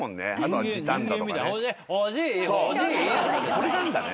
これなんだね。